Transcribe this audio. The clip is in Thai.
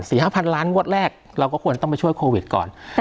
ห้าพันล้านงวดแรกเราก็ควรต้องไปช่วยโควิดก่อน